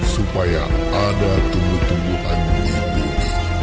supaya ada tumbuh tumbuhan